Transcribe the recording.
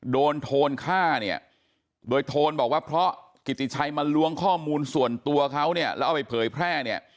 โทนฆ่าเนี่ยโดยโทนบอกว่าเพราะกิติชัยมาล้วงข้อมูลส่วนตัวเขาเนี่ยแล้วเอาไปเผยแพร่เนี่ย